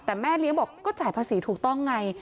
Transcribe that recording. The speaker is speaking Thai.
แต่แม่เลี้ยงบอกก็จ่ายภาษีถูกต้องไง